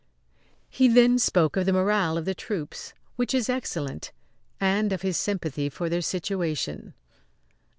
He then spoke of the morale of the troops, which is excellent, and of his sympathy for their situation.